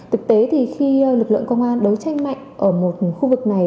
thực tế thì khi lực lượng công an đấu tranh mạnh ở một khu vực này